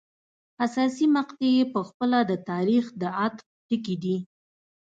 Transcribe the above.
حساسې مقطعې په خپله د تاریخ د عطف ټکي دي.